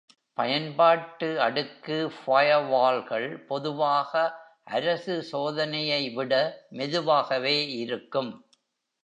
பயன்பாட்டு அடுக்கு ஃபயர்வால்கள் பொதுவாக, அரசு சோதனையைவிட மெதுவாகவே இருக்கும்.